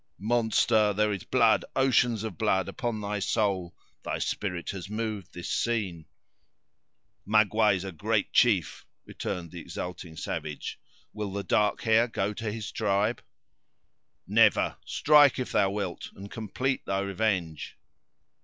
"Monster! there is blood, oceans of blood, upon thy soul; thy spirit has moved this scene." "Magua is a great chief!" returned the exulting savage, "will the dark hair go to his tribe?" "Never! strike if thou wilt, and complete thy revenge."